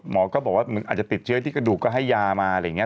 ก็บอกว่ามึงอาจจะติดเชื้อที่กระดูกก็ให้ยามาอะไรอย่างนี้